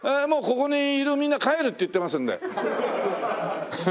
もうここにいるみんな帰るって言ってますんで。